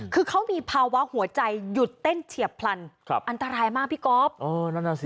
คือเขามีภาวะหัวใจหยุดเต้นเฉียบพลันครับอันตรายมากพี่ก๊อฟสิ